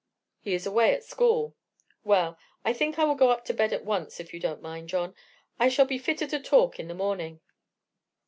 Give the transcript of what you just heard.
"He is away at school." "Well, I think I will go up to bed at once, if you don't mind, John. I shall be fitter to talk in the morning."